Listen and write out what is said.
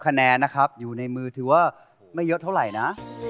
คะแนนนะครับอยู่ในมือถือว่าไม่เยอะเท่าไหร่นะ